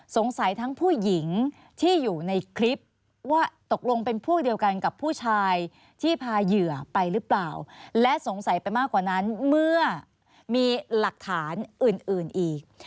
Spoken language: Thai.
สงสัยทั้งผู้หญิงที่อยู่ในคลิปว่าตกลงเป็นพวกเดียวกันกับผู้ชายที่พาเหยื่อไปหรือเปล่าและสงสัยไปมากกว่านั้นเมื่อมีหลักฐานอื่นอื่นอีก